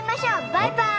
バイバイ！